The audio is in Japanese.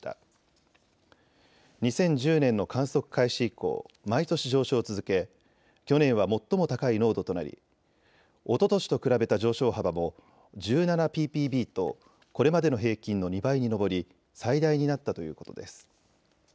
２０１０年の観測開始以降、毎年上昇を続け去年は最も高い濃度となりおととしと比べた上昇幅も１７ｐｐｂとこれまでの平均の２倍に上り最大になったということです。